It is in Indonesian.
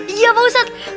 iya pak ustadz